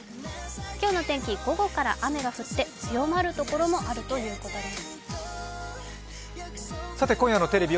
今日の天気、午後から雨が降って強まるところもありそうです。